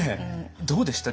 どうでした？